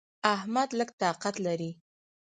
احمد لږ طاقت لري.